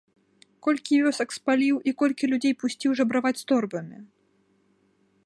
Колькі вёсак спаліў і колькі людзей пусціў жабраваць з торбамі?